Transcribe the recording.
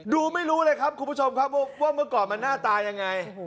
ดูไม่รู้เลยครับคุณผู้ชมครับว่าเมื่อก่อนมันหน้าตายังไง